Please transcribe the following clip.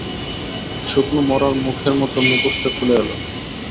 শুকনো মড়ার মুখের মতো মুখোশটা খুলে এল।